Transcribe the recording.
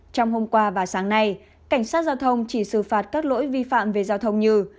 trong hôm qua và sáng nay cảnh sát giao thông chỉ xử phạt các lỗi vi phạm về giao thông như